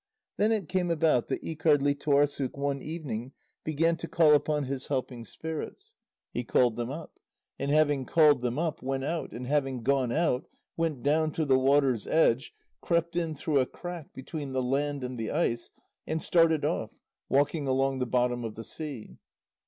Then it came about that Íkardlítuarssuk one evening began to call upon his helping spirits. He called them up, and having called them up, went out, and having gone out, went down to the water's edge, crept in through a crack between the land and the ice, and started off, walking along the bottom of the sea.